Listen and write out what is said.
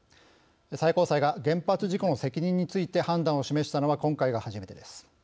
最高裁が原発事故の責任について判断を示したのは今回が初めてです。